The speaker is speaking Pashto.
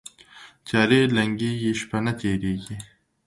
تیارې لنګیږي، شپه نه تیریږي